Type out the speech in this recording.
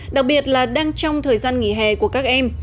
đặc biệt là đang trong thời gian nghỉ hè của các em